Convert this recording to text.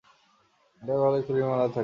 তাঁর গলায় খুলির মালা থাকে।